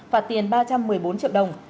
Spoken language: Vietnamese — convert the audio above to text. phạt tiền ba trăm một mươi bốn triệu đồng